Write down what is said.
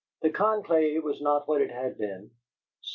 The conclave was not what it had been.